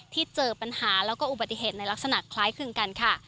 ที่เจอปัญหาแล้วก็อุบัติเหตุในลักษณะคล้ายคลึงกันค่ะ